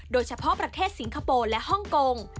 โดยเฉพาะประเทศสิงคโปร์และฮ่องกง